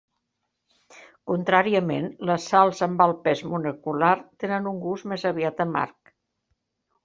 Contràriament, les sals amb alt pes molecular tenen un gust més aviat amarg.